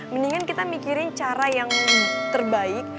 mendingan kita mikirin cara yang terbaik